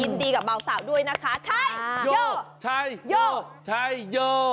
อินดีกับเบาสาวด้วยนะคะใช่โย